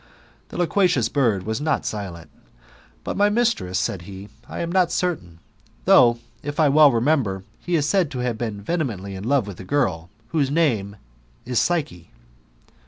'^ The loquacious bird was not silent: "But my mistress," said he, " I am not certain, though, if I well remem ber, he is said to have been vehemently in love with, a girl, whose name is Psyche."